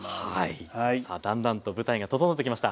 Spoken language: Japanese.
さあだんだんと舞台が整ってきました。